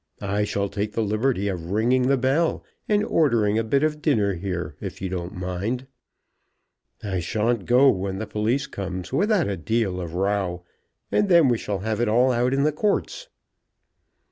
I shall take the liberty of ringing the bell and ordering a bit of dinner here, if you don't mind. I shan't go when the police comes without a deal of row, and then we shall have it all out in the courts."